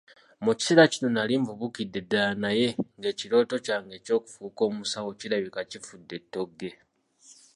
Mu kiseera kino nali nvubukidde ddala naye ng'ekirooto kyange eky'okufuuka omusawo kirabika kifudde ttogge.